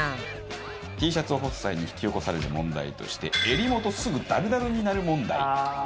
Ｔシャツを干す際に引き起こされる問題として襟元すぐダルダルになる問題